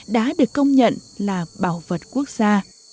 đã được công nhận là bảo vật quốc gia